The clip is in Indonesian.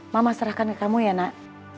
mama serahkan ke kamu ya nak